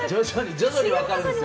徐々に分かるんですよ。